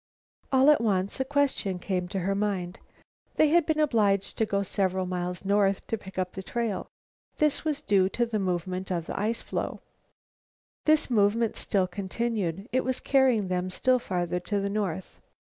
All at once a question came to her mind. They had been obliged to go several miles north to pick up the trail. This was due to the movement of the floe. This movement still continued. It was carrying them still farther to the north.